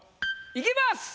いきます。